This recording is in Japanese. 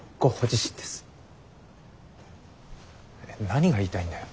何が言いたいんだよ。